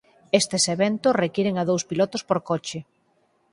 Estes eventos requiren a dous pilotos por coche.